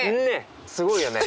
すごいよね